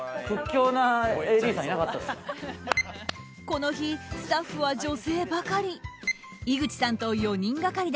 この日、スタッフは女性ばかり。